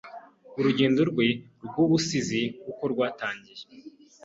Urugendo rwe rw'ubusizi.uko rwatangiye..